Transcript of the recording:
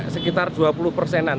sekitar dua puluh persenan